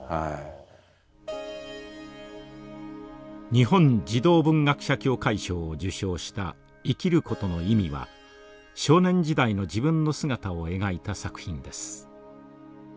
日本児童文学者協会賞を受賞した「生きることの意味」は少年時代の自分の姿を描いた作品です。